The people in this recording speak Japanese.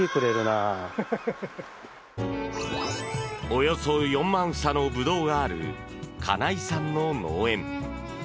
およそ４万房のブドウがある金井さんの農園。